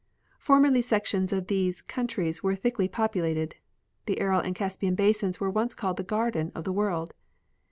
Formerly sections of these countries were thickly populated. The Aral and Caspian basins were called the " Garden of the world."